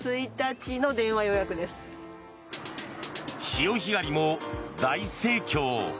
潮干狩りも大盛況。